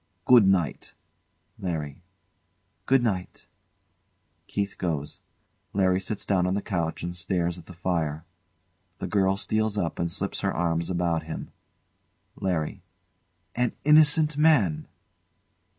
Good night! LARRY. Good night! KEITH goes. LARRY Sits down on the couch sand stares at the fire. The girl steals up and slips her arms about him. LARRY. An innocent man!